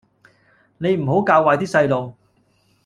你唔好教壞啲細路